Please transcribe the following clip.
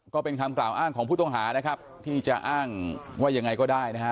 ก็เป็นคำกล่าวอ้างของผู้ต้องหานะครับที่จะอ้างว่ายังไงก็ได้นะฮะ